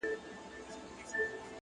اراده د ستونزو پولې ماتوي،